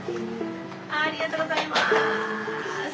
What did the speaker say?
ありがとうございます！